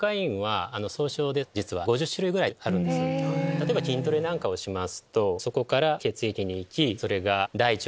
例えば筋トレなんかをしますと。